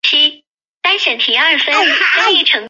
其他城市发展出各自的原始丘神话。